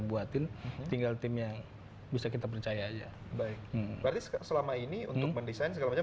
buatin tinggal tim yang bisa kita percaya aja baik berarti selama ini untuk mendesain segala macam